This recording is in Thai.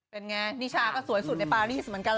เป็นอย่างไรนิชาก็สวยสุดในปารีสเหมือนกันเหรอ